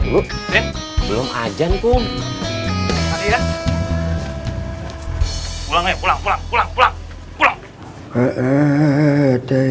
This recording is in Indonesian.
yuk lah pulang ya